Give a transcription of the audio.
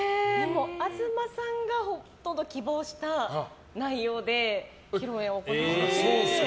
東さんがほとんど希望した内容で披露宴を行って。